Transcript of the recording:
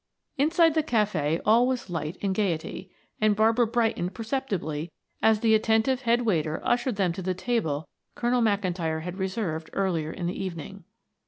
Inside the cafe all was light and gaiety, and Barbara brightened perceptibly as the attentive head waiter ushered them to the table Colonel McIntyre had reserved earlier in the evening.